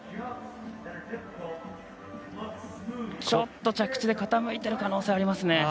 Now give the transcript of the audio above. ちょっと着地で傾いている可能性がありますね。